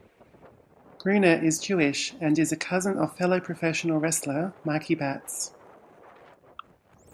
Gruner is Jewish, and is a cousin of fellow professional wrestler Mikey Batts.